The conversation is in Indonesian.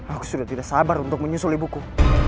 aku sudah tidak sabar untuk menyusuli buku